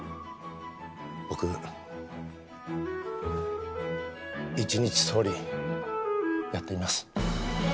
僕一日総理やってみます。